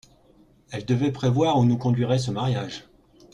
Elle devait prévoir où nous conduirait ce mariage.